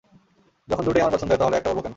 যখন দুটোই আমার পছন্দের তাহলে একটা বলবো কেন।